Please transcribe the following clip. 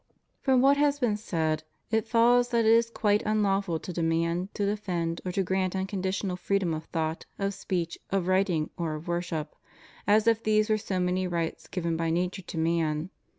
From what has been said, it follows that it is quite unlawful to demand, to defend, or to grant unconditional freedom of thought, of speech, of writing, or of worship, as if these were so many rights given by nature to man.